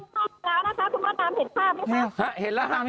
จุ่มนุมแล้วนะคะคุณผู้ชมน้ำเห็นภาพไหมคะ